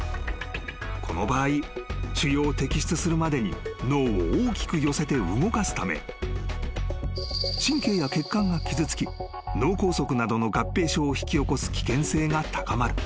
［この場合腫瘍を摘出するまでに脳を大きく寄せて動かすため神経や血管が傷つき脳梗塞などの合併症を引き起こす危険性が高まる］